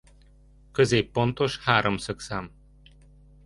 Középpontos háromszögszám.